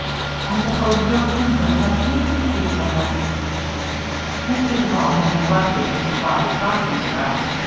I suppose a real princess has heaps and heaps of them." Mr. Duval had neglected to supply stocking straps.